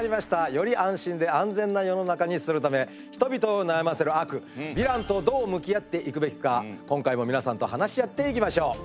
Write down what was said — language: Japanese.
より安心で安全な世の中にするため人々を悩ませる悪ヴィランとどう向き合っていくべきか今回も皆さんと話し合っていきましょう。